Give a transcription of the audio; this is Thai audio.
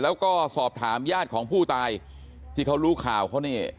แล้วก็สอบถามญาติของผู้ตายที่เขารู้ข่าวเขาเนี่ย